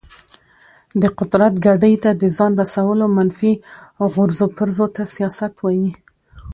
د قدرت ګدۍ ته د ځان رسولو منفي غورځو پرځو ته سیاست وایي.